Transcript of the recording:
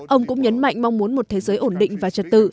ông cũng nhấn mạnh mong muốn một thế giới ổn định và trật tự